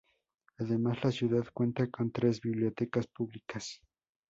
Además la ciudad cuenta con tres bibliotecas públicas.